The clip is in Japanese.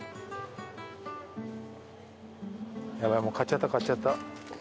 ヤバい買っちゃった買っちゃった。